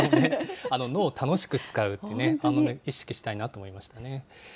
脳を楽しく使うってね、意識したいなと思いましたね。